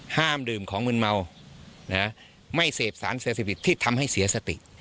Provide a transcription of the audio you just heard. ห้ามดื่มของมืนเมาไม่เสพสารเสพติดที่ทำให้เสียสติ